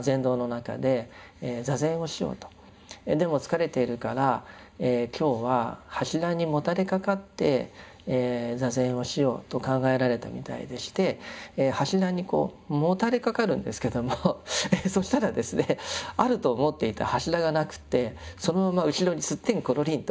でも疲れているから今日は柱にもたれかかって坐禅をしようと考えられたみたいでして柱にこうもたれかかるんですけどもそしたらですねあると思っていた柱がなくてそのまま後ろにすってんころりんと